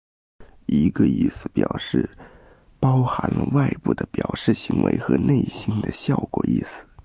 一个意思表示包含了外部的表示行为和内心的效果意思。